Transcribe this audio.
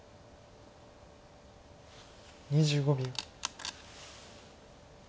２５秒。